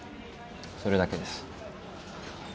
それだけです。